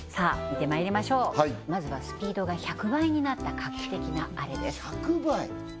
見てまいりましょうまずはスピードが１００倍になった画期的なあれです